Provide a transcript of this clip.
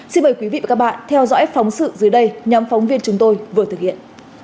xin mời quý vị và các bạn theo dõi phóng sự dưới đây nhóm phóng viên chúng tôi vừa thực hiện